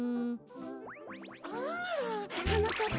あらはなかっぱ。